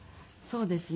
そうですね。